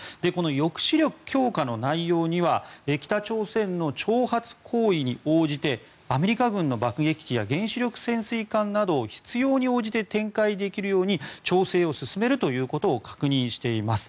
抑止力強化の内容には北朝鮮の挑発行為に応じてアメリカ軍の爆撃機や原子力潜水艦などを必要に応じて展開できるように調整を進めることを確認しています。